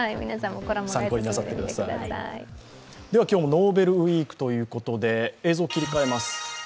今日もノーベルウィークということで、映像を切り替えます。